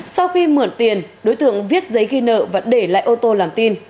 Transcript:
sau khi mượn tiền đối tượng viết giấy ghi nợ và để lại ô tô làm tin